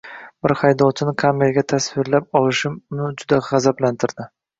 Bir haydovchini kameraga tasvirga olishim uni juda gʻazablantirdi.